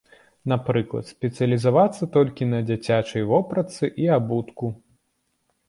Напрыклад, спецыялізавацца толькі на дзіцячай вопратцы і абутку.